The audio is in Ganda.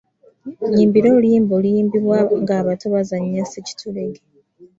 Nnyimbira oluyimba oluyimbibwa ng'abato bazannya ssekitulege.